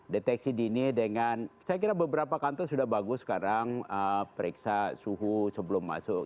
deteksi dini dengan saya kira beberapa kantor sudah bagus sekarang periksa suhu sebelum masuk